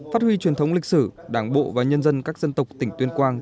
phát huy truyền thống lịch sử đảng bộ và nhân dân các dân tộc tỉnh tuyên quang